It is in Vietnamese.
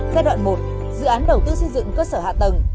giai đoạn một dự án đầu tư xây dựng cơ sở hạ tầng